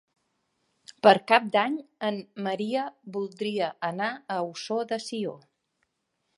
Per Cap d'Any en Maria voldria anar a Ossó de Sió.